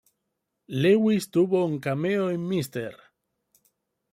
Lewis tuvo un cameo en "Mr.